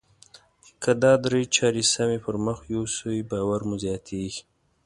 که دا درې چارې سمې پر مخ يوسئ باور مو زیاتیږي.